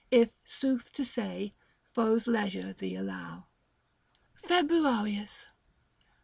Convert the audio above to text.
If, sooth to say, foes leisure thee allow. FEBEUARIUS.